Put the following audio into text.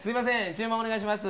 注文お願いします。